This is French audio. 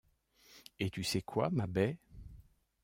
Et tu sais quoi, ma Baie ?